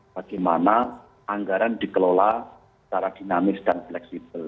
bagaimana anggaran dikelola secara dinamis dan fleksibel